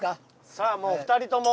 さあもう２人とも。